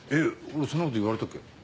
俺そんなこと言われたっけ？